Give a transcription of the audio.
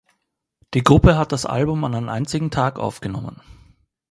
Die Gruppe hat das Album an einem einzigen Tag aufgenommen.